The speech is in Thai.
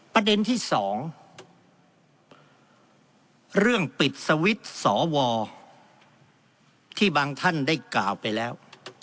ประเด็นที่๒เรื่องปิดสวิตช์สวที่บางท่านได้กล่าวไปแล้ว